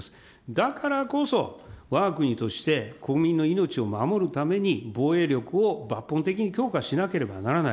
だからこそ、わが国として国民の命を守るために防衛力を抜本的に強化しなければならない。